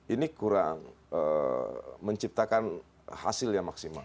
ini kurang menciptakan hasil yang maksimal